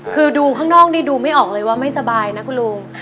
คือดูข้างนอกนี่ดูไม่ออกเลยว่าไม่สบายนะคุณลุง